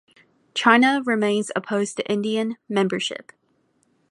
China remains opposed to Indian membership.